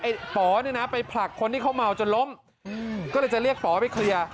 ป๋อเนี่ยนะไปผลักคนที่เขาเมาจนล้มก็เลยจะเรียกป๋อไปเคลียร์